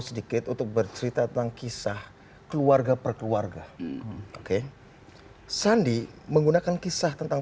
sedikit untuk bercerita tentang kisah keluarga perkeluarga oke sandi menggunakan kisah tentang